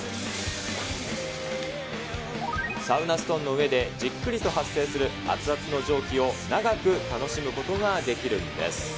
サウナストーンの上でじっくりと発生する熱々の蒸気を長く楽しむすばらしい。